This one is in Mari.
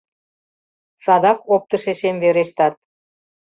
Садак оптышешем верештат!